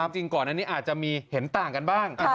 จริงก่อนอันนี้อาจจะมีเห็นต่างกันบ้าง